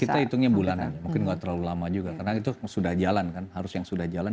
kita hitungnya bulanan mungkin nggak terlalu lama juga karena itu sudah jalan kan harus yang sudah jalan